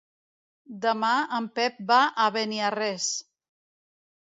Demà en Pep va a Beniarrés.